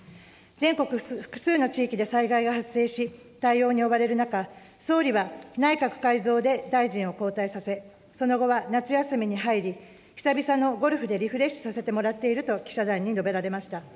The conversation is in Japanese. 全国複数の地域で災害が発生し、対応に追われる中、総理は内閣改造で大臣を交代させ、その後は夏休みに入り、久々のゴルフでリフレッシュさせてもらっていると記者団に述べられました。